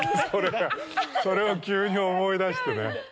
それを急に思い出してね。